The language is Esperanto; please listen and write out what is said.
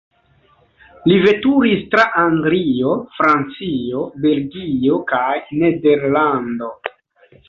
Li veturis tra Anglio, Francio, Belgio kaj Nederlando.